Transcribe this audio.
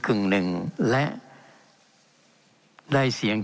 เป็นของสมาชิกสภาพภูมิแทนรัฐรนดร